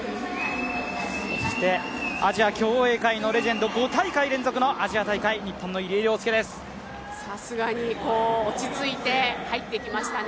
アジア競泳界のレジェンド、５大会連続のアジア大会、さすがに落ち着いて入っていきましたね。